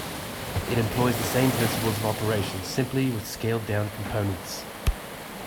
It employs the same principles of operation, simply with scaled down components.